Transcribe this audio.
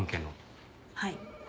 はい。